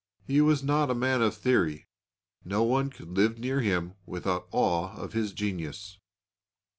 He was not a man of theory. No one could live near him without awe of his genius.